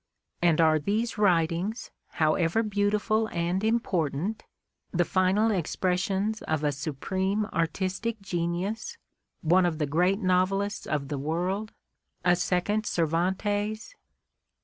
And are these writings, however beautiful and impor . tant, the final expressions of a supreme artistic genius, one of the great novelists of the world, a second Cer vantes?